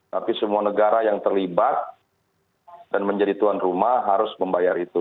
tapi semua negara yang terlibat dan menjadi tuan rumah harus membayar itu